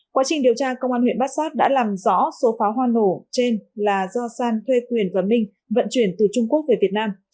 quá trình điều tra công an huyện bát sát đã làm rõ số pháo hoa nổ trên là do san thuê quyền và minh vận chuyển từ trung quốc về việt nam